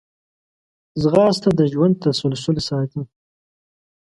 ځغاسته د ژوند تسلسل ساتي